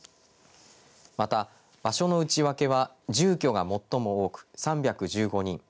また、場所の内訳は住居が最も多く３１５人。